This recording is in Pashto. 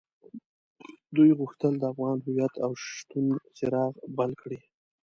دوی غوښتل د افغان هويت او شتون څراغ بل کړي.